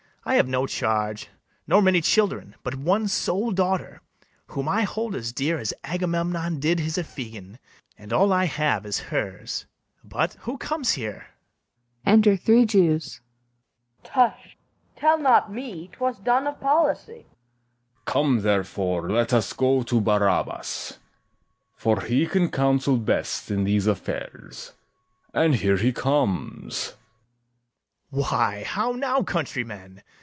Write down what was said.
I have no charge, nor many children, But one sole daughter, whom I hold as dear As Agamemnon did his Iphigen; And all I have is hers. But who comes here? Enter three JEWS. FIRST JEW. Tush, tell not me; 'twas done of policy. SECOND JEW. Come, therefore, let us go to Barabas; For he can counsel best in these affairs: And here he comes. BARABAS. Why, how now, countrymen!